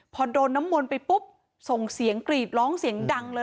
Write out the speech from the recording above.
พอโดนน้ำมนต์ไปปุ๊บส่งเสียงกรีดร้องเสียงดังเลย